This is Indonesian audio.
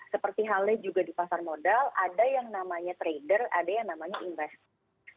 seperti halnya juga di pasar modal ada yang namanya trader ada yang namanya investor